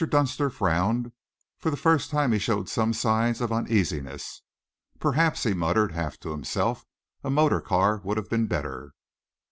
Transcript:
Dunster frowned. For the first time he showed some signs of uneasiness. "Perhaps," he muttered, half to himself, "a motor car would have been better."